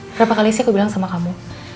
berapa kali sih aku bilang sama kamu